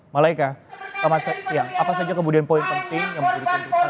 malaika apa saja kemudian poin penting yang diperlukan dalam aksi pada hari ini